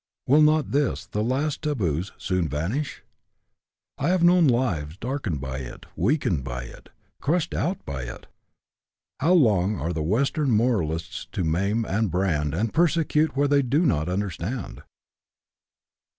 Will not this, the last of the taboos, soon vanish? I have known lives darkened by it, weakened by it, crushed out by it. How long are the western moralists to maim and brand and persecute where they do not understand?"